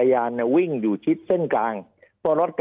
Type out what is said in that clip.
ภารกิจสรรค์ภารกิจสรรค์